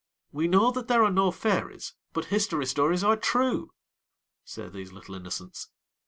'We know that there are no fairies, but history stories are true!' say these little innocents.